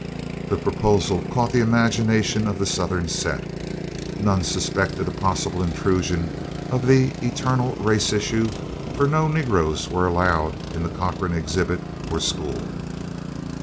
The proposal caught the imagination of the Southern set. None suspected a possible intrusion of the eternal race issue for no Negroes were allowed in the Corcoran exhibit or school.